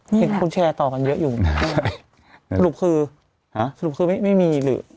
มีคุณแชร์ต่อกันเยอะอยู่สรุปคือไม่มีหรือ